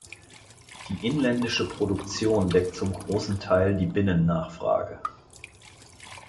Die inländische Produktion deckt zum großen Teil die Binnennachfrage.